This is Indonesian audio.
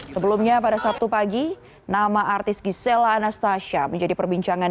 sebelumnya pada sabtu pagi nama artis gisela anastasia menjadi perbincangan